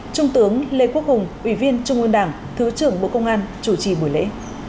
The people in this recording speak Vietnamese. trung tướng lê quốc hùng ủy viên trung ương đảng thứ trưởng bộ công an chủ trì buổi lễ